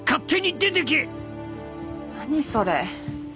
何それ。